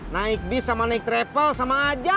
naik bis sama naik travel sama aja